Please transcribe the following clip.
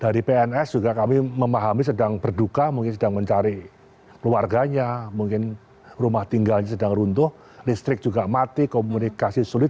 dari pns juga kami memahami sedang berduka mungkin sedang mencari keluarganya mungkin rumah tinggalnya sedang runtuh listrik juga mati komunikasi sulit